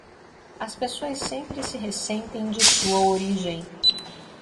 As pessoas sempre se ressentem de sua origem.